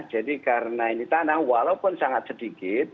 jadi karena ini tanah walaupun sangat sedikit